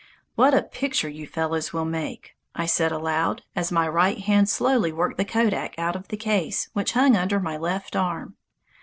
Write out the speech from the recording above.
"What a picture you fellows will make," I said aloud, as my right hand slowly worked the kodak out of the case which hung under my left arm.